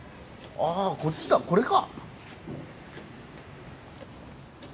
あこっちだこれか。